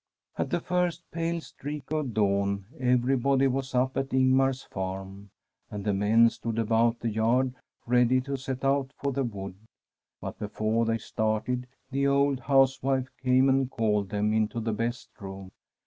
At the first pale streak of dawn everybody was up at Ingmar's farm, and the men stood about the yard ready to set out for the wood. But before they started the old housewife came and called them into the best room.